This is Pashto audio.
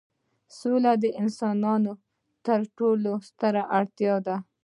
سوله د انسانانو تر ټولو ستره اړتیا ده.